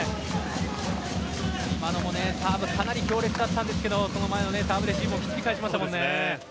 今のもサーブ、かなり強烈だったんですけどその前のサーブレシーブもきっちり返しましたもんね。